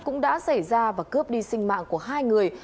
cũng đã xảy ra và cướp đi sinh mạng của hai người